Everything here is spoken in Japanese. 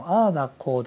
こうだ